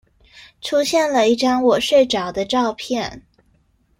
出現了一張我睡著的照片